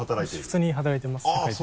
普通に働いてます社会人。